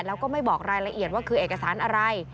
แล้วก็ไม่บอกรายละเอียดว่าคือเอกสารอะไร